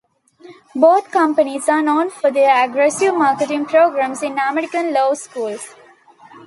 Both companies are known for their aggressive marketing programs in American law schools.